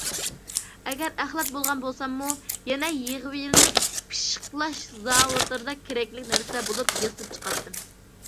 ئەگەر ئەخلەت بولغان بولساممۇ يەنە يىغىۋېلىنىپ پىششىقلاش زاۋۇتلىرىدا كېرەكلىك نەرسە بولۇپ ياسىلىپ چىقاتتىم.